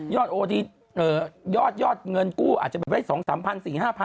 ยอดโอทียอดเงินกู้อาจจะเป็นไว้๒๐๐๐๓๐๐๐๔๐๐๐๕๐๐๐